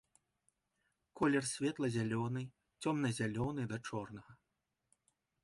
Колер светла-зялёны, цёмна-зялёны да чорнага.